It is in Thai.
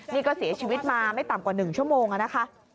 นี่ก็เสียชีวิตมาไม่ต่ำกว่า๑ชั่วโมงนะคะ